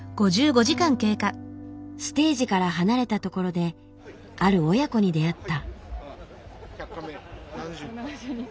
ステージから離れた所である親子に出会った。